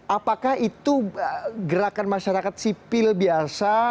apakah itu gerakan masyarakat sipil biasa